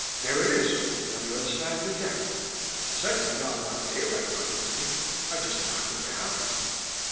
There it is, on the other side of the deck. As I did not want daylight put into me, I just knocked him down."